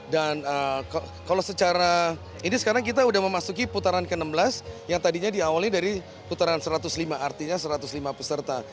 dan kalau secara ini sekarang kita udah memasuki putaran ke enam belas yang tadinya diawali dari putaran satu ratus lima artinya satu ratus lima peserta